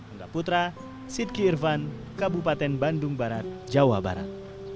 angga putra siti irvan kabupaten bandung barat jawa barat